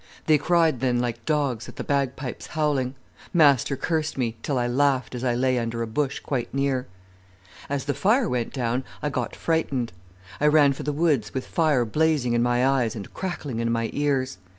They cried then like dogs at the bagpipes howling. Master cursed me, till I laughed as I lay under a bush quite near. "As the fire went down I got frightened. I ran for the woods, with fire blazing in my eyes and crackling in my ears.